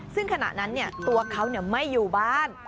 ซึ่งขณะนั้นตัวเขาไม่อยู่บ้าน